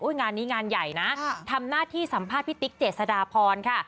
งานนี้งานใหญ่นะทำหน้าที่สัมภาษณ์พี่ติ๊กเจษฎาพรค่ะ